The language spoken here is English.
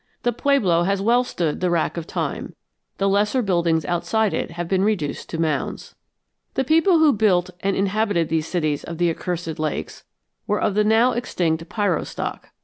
The pueblo has well stood the rack of time; the lesser buildings outside it have been reduced to mounds. The people who built and inhabited these cities of the Accursed Lakes were of the now extinct Piro stock.